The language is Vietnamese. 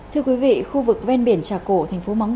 thưa quý vị khu vực ven biển trà cổ tp móng